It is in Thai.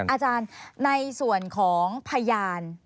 อาจารย์ในส่วนของพยาน